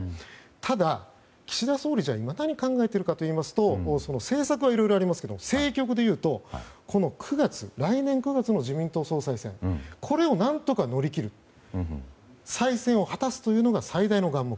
ただ、岸田総理じゃあ今何考えているかといいますと政策はいろいろありますが政局でいうと来年９月の自民党総裁選を何とか乗り切って再選を果たすというのが最大の眼目。